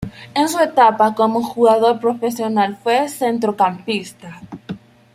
En su etapa como jugador profesional fue centrocampista.